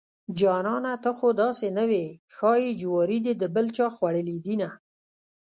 جانانه ته خوداسې نه وې ښايي جواري دې دبل چاخوړلي دينه